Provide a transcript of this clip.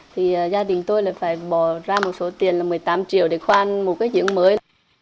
thì gia đình tôi lại phải bỏ ra một số tiền là một mươi tám triệu để khoan một cái diễn mới